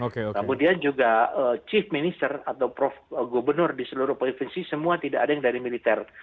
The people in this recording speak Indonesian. kemudian juga chief minister atau prof gubernur di seluruh provinsi semua tidak ada yang dari militer